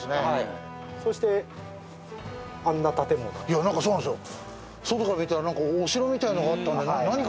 いやなんかそうなんですよ。